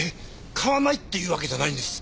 買わないっていうわけじゃないんです。